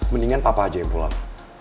mendingan papa aja yang pulang